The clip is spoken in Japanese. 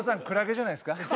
クラゲじゃないですか？